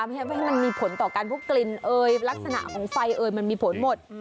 ให้มันมีผลต่อการพวกกลิ่นเอยลักษณะของไฟเอ่ยมันมีผลหมด